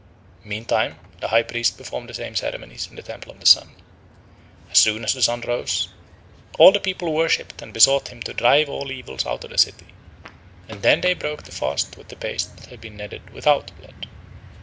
Meantime the High Priest performed the same ceremonies in the temple of the Sun. As soon as the Sun rose, all the people worshipped and besought him to drive all evils out of the city, and then they broke their fast with the paste that had been kneaded without blood.